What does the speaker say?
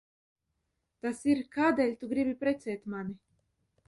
Tas ir, kādēļ tu gribi precēt mani?